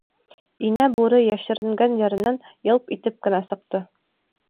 Инә Бүре йәшеренгән еренән йылп итеп кенә сыҡты.